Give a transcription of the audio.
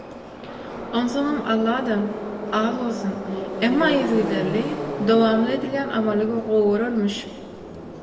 Onsoňam Alla-da az bolsun, emma yzygiderli, dowamly edilýän amaly gowy görermiş.